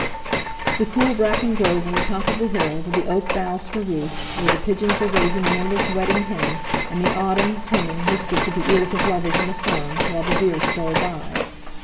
The cool bracken grove on the top of the hill, with the oak boughs for roof, where the pigeons were raising an endless wedding hymn, and the autumn, humming, whispered to the ears of lovers in the fern, while the deer stole by.